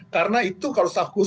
karena itu kalau staff khusus